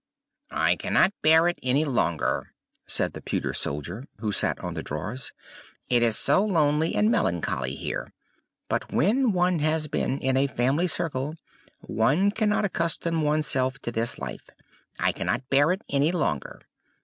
"I cannot bear it any longer!" said the pewter soldier, who sat on the drawers. "It is so lonely and melancholy here! But when one has been in a family circle one cannot accustom oneself to this life! I cannot bear it any longer!